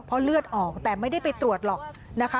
เพราะเลือดออกแต่ไม่ได้ไปตรวจหรอกนะคะ